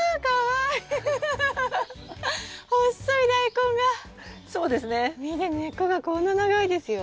根っこがこんな長いですよ。